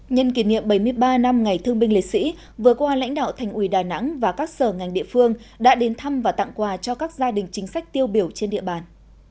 nhân kỷ niệm bảy mươi ba năm ngày thương binh liệt sĩ vừa qua lãnh đạo thành ủy đà nẵng và các sở ngành địa phương đã đến thăm và tặng quà cho các gia đình chính sách tiêu biểu trên địa bàn